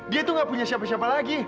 dia tuh gak punya siapa siapa lagi